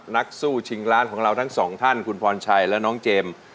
นักสู้ชิงล้านของเราทั้งสองท่านคุณพรชัยและน้องเจมส์